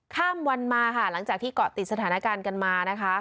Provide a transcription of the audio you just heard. ข้ามวันมาค่ะหลังจากที่เกาะติดสถานการณ์กันมานะคะ